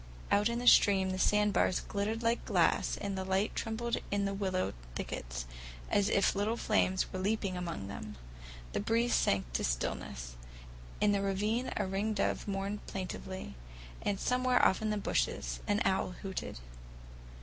Out in the stream the sandbars glittered like glass, and the light trembled in the willow thickets as if little flames were leaping among them. The breeze sank to stillness. In the ravine a ringdove mourned plaintively, and somewhere off in the bushes an owl hooted.